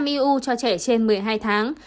tám trăm linh eu cho trẻ trên một mươi hai tháng